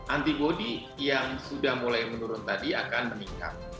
antibody yang sudah mulai menurun tadi akan meningkat